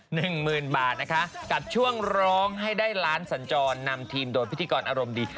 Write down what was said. หนึ่งหมื่นบาทนะคะกับช่วงร้องให้ได้ล้านสัญจรนำทีมโดนพิธีกรอารมณ์ดี